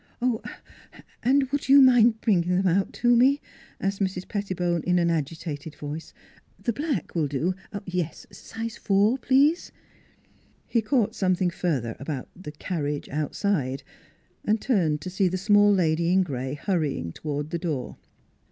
"" And would you mind bringing them out to me?" asked Mrs. Pettibone in an agitated voice, " the black will do. Yes, size four, please." He caught something further about " the car riage outside," and turned to see the small lady in gray hurrying toward the door.